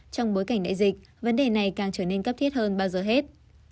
trong bối cảnh đại dịch vấn đề này càng trở nên cấp thiết hơn bao giờ hết